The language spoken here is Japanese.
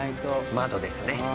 窓ですね。